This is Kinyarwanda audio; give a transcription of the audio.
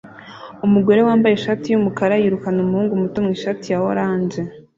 Umugore wambaye ishati yumukara yirukana umuhungu muto mwishati ya orange